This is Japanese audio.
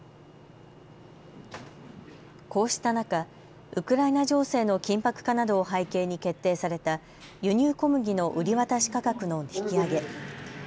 こうした中、ウクライナ情勢の緊迫化などを背景に決定された輸入小麦の売り渡し価格の引き上げ。